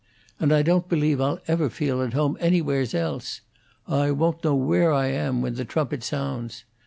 And I don't believe I'll ever feel at home anywheres else. I woon't know where I am when the trumpet sounds.